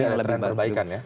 trend perbaikan ya